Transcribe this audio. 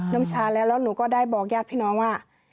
น้ำชาแล้วแล้วหนูก็ได้บอกญาติพี่น้องว่า